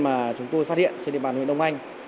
mà chúng tôi phát hiện trên địa bàn huyện đông anh